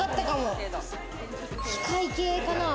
機械系かな？